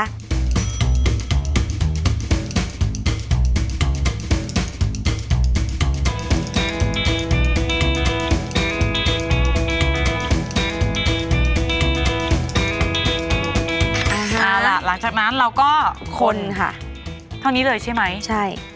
เอาล่ะหลังจากนั้นเราก็คนค่ะเท่านี้เลยใช่ไหมใช่